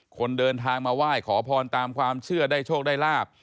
คนเดินทางมาไหว้ขอพรตามความเชื่อได้โชคได้ลาบ